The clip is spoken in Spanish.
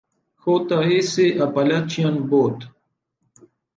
J. S. Appalachian Bot.